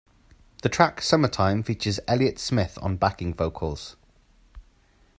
The track "Summertime" features Elliott Smith on backing vocals.